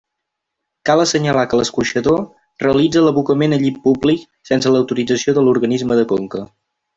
Cal assenyalar que l'escorxador realitza l'abocament a llit públic sense l'autorització de l'organisme de conca.